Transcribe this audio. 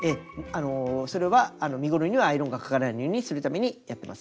それは身ごろにはアイロンがかからないようにするためにやってます。